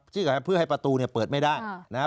ซึ่งเพื่อให้ประตูเนี่ยเปิดไม่ได้นะครับ